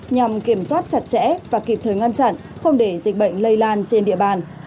nhằm kiểm soát chặt chẽ và kịp thời ngăn chặn không để dịch bệnh lây lan trên địa bàn